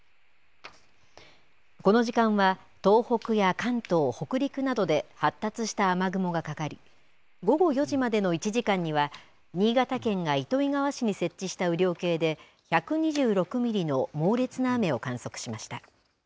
この時間は東北や関東、北陸などで発達した雨雲がかかり、午後４時までの１時間には、新潟県が糸魚川市に設置した雨量計で、１２６ミリの猛烈な雨を観測しました。